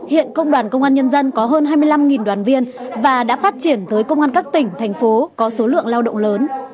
hiện công đoàn công an nhân dân có hơn hai mươi năm đoàn viên và đã phát triển tới công an các tỉnh thành phố có số lượng lao động lớn